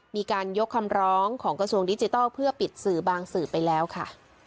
มีการยกคำร้องของกระทรวงดิจิทัลเพื่อปิดสื่อบางสื่อไปแล้วค่ะ